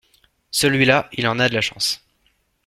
Celui-là il en a de la chance.